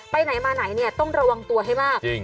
ไปไหนมาไหนต้องระวังตัวให้มาก